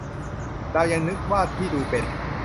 เรายังนึกว่าที่ดูเป็น